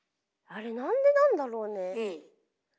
あれなんでなんだろうね。